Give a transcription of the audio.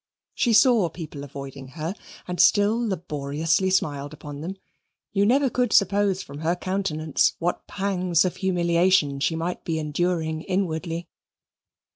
She saw people avoiding her, and still laboriously smiled upon them; you never could suppose from her countenance what pangs of humiliation she might be enduring inwardly.